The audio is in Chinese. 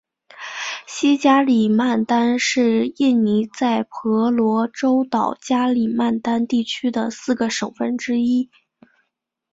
西加里曼丹是印尼在婆罗洲岛加里曼丹地区的四个省份之一。